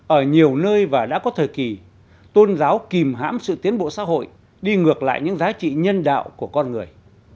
ở nhiều nơi và đã có thời kỳ tôn giáo kìm hãm sự tiến bộ xã hội đi ngược lại những giá trị nhân đạo của con người